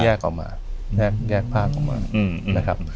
ออกมาแยกภาพออกมานะครับ